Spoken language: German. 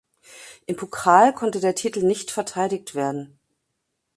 Im Pokal konnte der Titel nicht verteidigt werden.